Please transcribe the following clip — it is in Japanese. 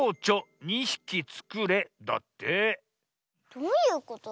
どういうこと？